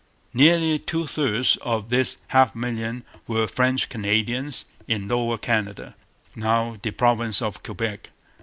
Nearly two thirds of this half million were French Canadians in Lower Canada, now the province of Quebec.